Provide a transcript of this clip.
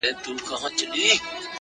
مستغني هم له پاچا هم له وزیر یم!.